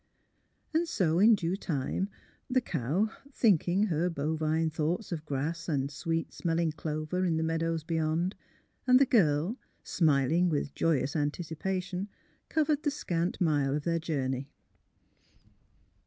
And so in due time the cow, tliinking her bovine thoughts of grass and sweet smelling clover in the meadows beyond, and the girl, smiling with joyous anticipation, covered the scant mile of their journey.